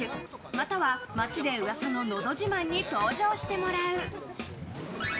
または、街で噂ののど自慢に登場してもらう。